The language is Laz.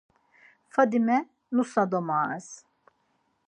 Fadime nusa domaves.